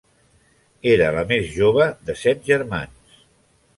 Era la més jove de set germans.